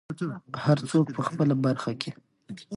هر څوک په خپله برخه کې.